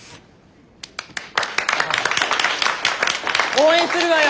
応援するわよ！